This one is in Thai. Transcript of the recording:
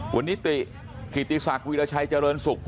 วันนี้ติศักดิ์วิราชัยเจริญสุข